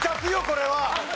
これは。